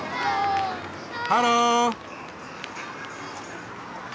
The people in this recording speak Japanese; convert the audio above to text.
ハロー。